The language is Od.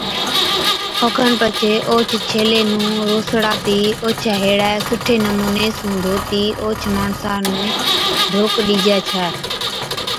اوکن پڇي اوھچ ڇيلي نُون روسڙاتِي اوڇَي ھيڙَي سُٺي نمُوني سُون رانڌتِي اوھچ ماڻسا نُون ڌوڪ ڏِجَي ڇَي